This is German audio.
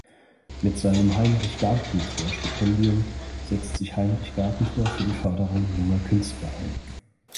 Mit seinem "Heinrich Gartentor-Stipendium" setzt sich Heinrich Gartentor für die Förderung junger Künstler ein.